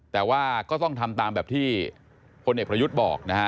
แต่ว่าก็ต้องทำตามแบบที่พลเอกประยุทธ์บอกนะฮะ